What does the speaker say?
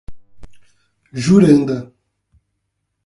Juranda